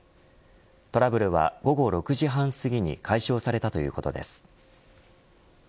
トラブルは午後６時半すぎに解消されたということです。